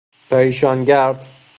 پریشان گرد